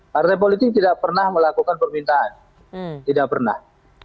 partai politik tidak pernah melakukan permintaan tidak pernah